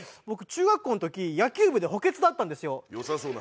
僕、中学校のとき野球部で補欠だったんですよ。